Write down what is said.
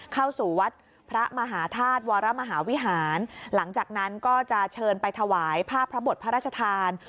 เข้าสู่วัดพระมหาธาตุวรมหาวิหารหลังจากนั้นก็จะเชิญไปถวายภาพพระบทพระราชทาน